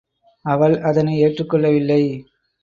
அவள் அதனை ஏற்றுக் கொள்ளவில்லை.